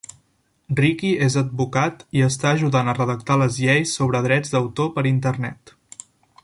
Ricky és advocat i està ajudant a redactar les lleis sobre drets d'autor per a internet.